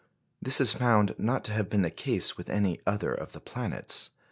This is found not to have been the case with any other of the planets.